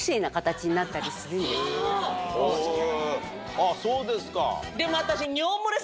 あっそうですか。